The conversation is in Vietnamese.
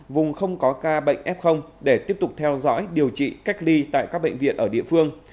vùng không có ca bệnh f để tiếp tục theo dõi điều trị cách ly tại các bệnh viện ở địa phương